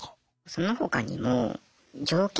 その他にも条件